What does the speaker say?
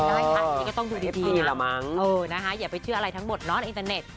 นี่ก็ต้องดูดีนะเออนะฮะอย่าไปเชื่ออะไรทั้งหมดเนาะในอินเทอร์เน็ต